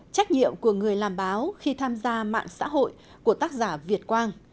trách nhiệm của người làm báo khi tham gia mạng xã hội của tác giả việt quang